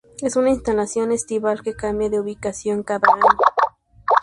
Es una instalación estival que cambia de ubicación cada año.